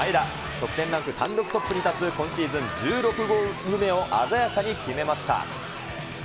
得点ランク単独トップに立つ今シーズン１６ゴール目を鮮やかに決めました。